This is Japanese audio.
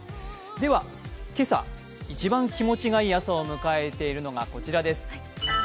では、今朝一番気持ちいい朝を迎えているのがこちらです。